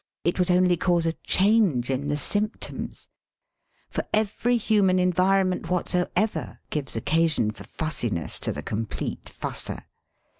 It would only cause a change in the symptoms ; for every human environment whatsoever gives occasion for fussi ness to the complete fusser.